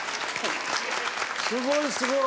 すごいすごい！